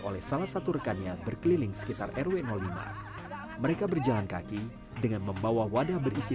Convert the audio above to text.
oleh salah satu rekannya berkeliling sekitar rw lima mereka berjalan kaki dengan membawa wadah berisi